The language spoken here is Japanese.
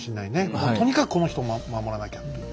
もうとにかくこの人を守らなきゃという。